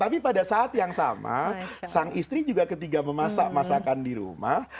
tapi pada saat yang sama sang istri juga ketika memasak masakan di rumah